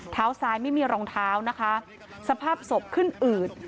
เท้าซ้ายไม่มีรองเท้านะคะสภาพศพขึ้นอืด